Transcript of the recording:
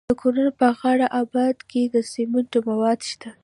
د کونړ په غازي اباد کې د سمنټو مواد شته.